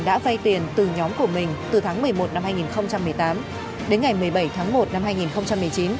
đã vay tiền từ nhóm của mình từ tháng một mươi một năm hai nghìn một mươi tám đến ngày một mươi bảy tháng một năm hai nghìn một mươi chín